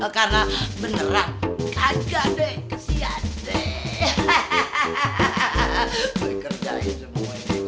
karena beneran kagak deh kasihan deh hahaha hahaha kerjain semua ini